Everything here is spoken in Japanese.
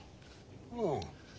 ああ。